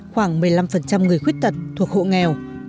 khoảng một mươi năm người khuyết tật thuộc hộ nghèo